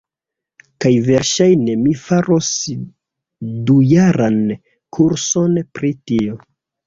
kaj verŝajne mi faros dujaran kurson pri tio.